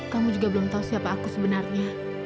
kamu juga belum tahu siapa aku sebenarnya